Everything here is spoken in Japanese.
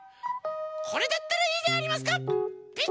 これだったらいいでありますか？